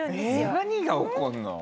何が起こるの？